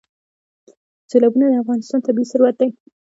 سیلابونه د افغانستان طبعي ثروت دی.